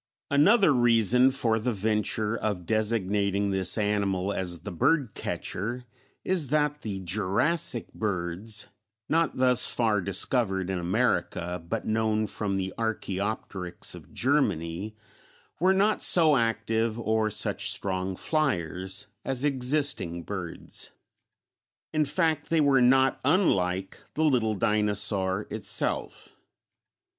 Another reason for the venture of designating this animal as the "bird catcher" is that the Jurassic birds (not thus far discovered in America, but known from the Archæopteryx of Germany) were not so active or such strong fliers as existing birds; in fact, they were not unlike the little dinosaur itself.